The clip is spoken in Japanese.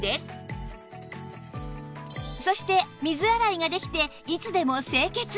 そして水洗いができていつでも清潔